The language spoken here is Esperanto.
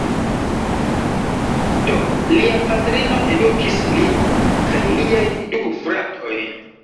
Do, lia patrino edukis lin kaj liajn du fratojn.